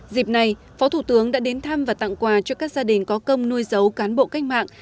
dịp này phó thủ tướng đã đến thăm và tặng quà cho các gia đình có công nuôi dấu cán bộ cách mạng